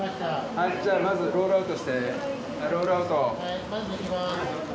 はいじゃあまずロールアウトしてはいロールアウトはいまず抜きます